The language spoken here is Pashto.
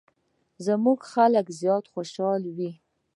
زموږ خلک زیات خوشحال وي.